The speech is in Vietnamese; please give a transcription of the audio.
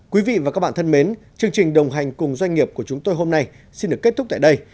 quý vị và các bạn thân mến chương trình đồng hành cùng doanh nghiệp của chúng tôi hôm nay xin được kết thúc tại đây